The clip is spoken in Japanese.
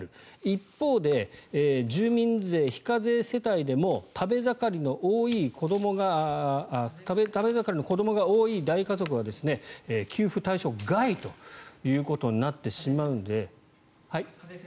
一方で、住民税非課税世帯でも食べ盛りの子どもが多い大家族は給付対象外ということになってしまうので。